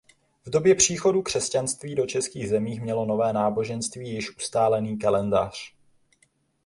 V době příchodu křesťanství do českých zemích mělo nové náboženství již ustálený kalendář.